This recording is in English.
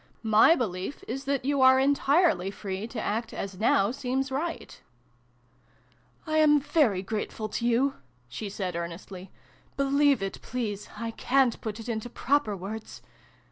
My belief is that you are entirely free to act as now seems right." II] LOVE'S CURFEW. 33 " I am very grateful to you," she said earnestly. " Believe it, please ! I ca'n't put it into proper words